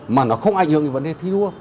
mà nó không ảnh hưởng đến vấn đề thi đua